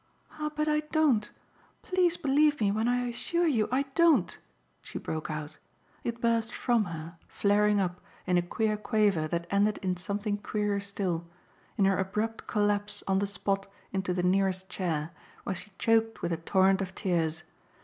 "Ah but I don't please believe me when I assure you I DON'T!" she broke out. It burst from her, flaring up, in a queer quaver that ended in something queerer still in her abrupt collapse, on the spot, into the nearest chair, where she choked with a torrent of tears.